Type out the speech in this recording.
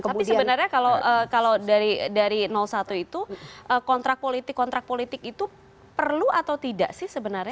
tapi sebenarnya kalau dari satu itu kontrak politik kontrak politik itu perlu atau tidak sih sebenarnya